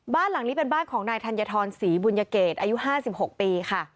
บ้านหลังนี้เป็นบ้านของนายธัญฑรศรีบุญยเกตอายุ๕๖ปีค่ะ